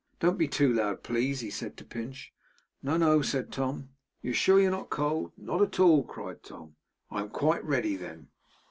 'Don't be too loud, please,' he said to Pinch. 'No, no,' said Tom. 'You're sure you're not cold' 'Not at all!' cried Tom. 'I am quite ready, then.